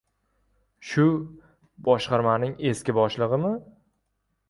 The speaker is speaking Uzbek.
— Shu, boshqarmaning eski boshlig‘imi?